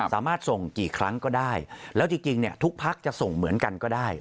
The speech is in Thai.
สามารถส่งกี่ครั้งก็ได้แล้วจริงเนี่ยทุกพักจะส่งเหมือนกันก็ได้